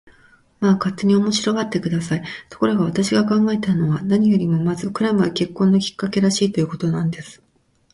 まあ、勝手に面白がって下さい。ところが、私が考えたのは、何よりもまずクラムが結婚のきっかけらしい、ということなんです。